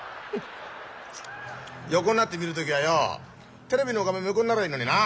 横になって見る時はよテレビの画面も横になりゃいいのにな。